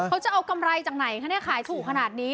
เขาจะเอากำไรจากไหนขายถูกขนาดนี้